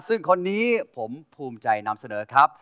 ซึ่งคนนี้ผมภูมิใจนำเสนอครับ